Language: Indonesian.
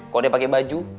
kalo dia pakai baju